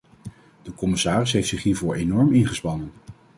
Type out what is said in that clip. De commissaris heeft zich hiervoor enorm ingespannen.